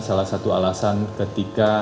salah satu alasan ketika